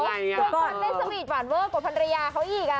ด้วยความเป็นสวีทหวานเวิร์ดกว่าภรรยาเขาอีกอะ